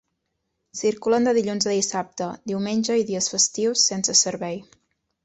Circulen de dilluns a dissabte; diumenge i dies festius, sense servei.